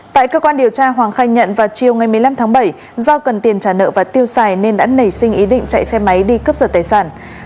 tại cơ quan điều tra hoàng khai nhận vào chiều ngày một mươi năm tháng bảy do cần tiền trả nợ và tiêu xài nên đã nảy sinh ý định chạy xe máy đi cướp giật tài sản